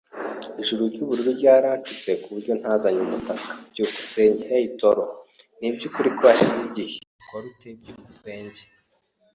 Ijuru ry'ubururu ryarashutse kuburyo ntazanye umutaka. byukusenge Hey Taro! Nibyukuri ko hashize igihe! Ukora ute? byukusenge